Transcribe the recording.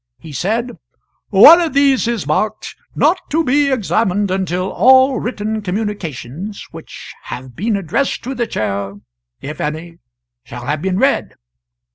He said: "One of these is marked, 'Not to be examined until all written communications which have been addressed to the Chair if any shall have been read.'